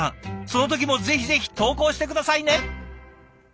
その時もぜひぜひ投稿して下さいね。